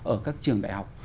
ở các trường đại học